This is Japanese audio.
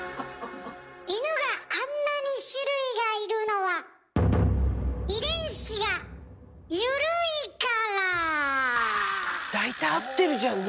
イヌがあんなに種類がいるのは遺伝子が緩いから！大体合ってるじゃんね？